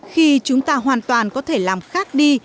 khi chúng ta hoàn toàn có thể làm khác đi